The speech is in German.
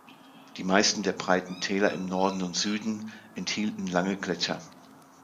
Die meisten der breiten Täler im Norden und Süden enthielten lange Gletscher.